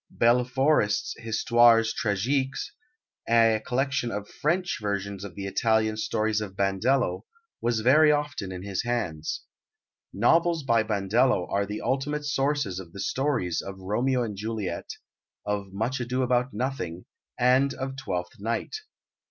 Belleforest's "Histoires Tragiques," a collection of French versions of the Italian stories of Bandello, was very often in his hands. Novels by Bandello are the ultimate sources of the stories of Romeo and Juliet, of Much Ado about Nothing, and of Twelfth Night.